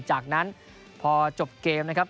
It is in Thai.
จากนั้นพอจบเกมนะครับ